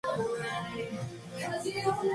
Tiene errores de iota suscrita.